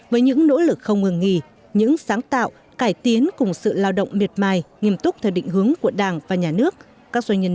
với những nỗ lực không ngừng nghỉ những sáng tạo cải tiến cùng sự lao động miệt mài nghiêm túc theo định hướng của đảng và nhà nước